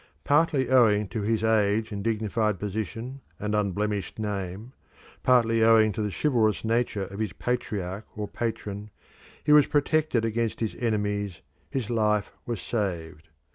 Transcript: Partly owing to his age and dignified position and unblemished name, partly owing to the chivalrous nature of his patriarch or patron, he was protected against his enemies, his life was saved.